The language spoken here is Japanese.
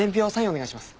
お願いします。